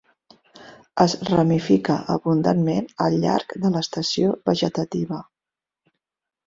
Es ramifica abundantment al llarg de l'estació vegetativa.